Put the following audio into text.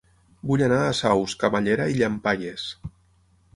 Vull anar a Saus, Camallera i Llampaies